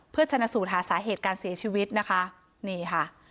เพื่อชนะสูตรหาสาเหตุการเสียชีวิตนะคะนี่ค่ะ